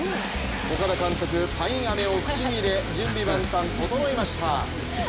岡田監督、パインアメを口に入れ、準備万端、整いました。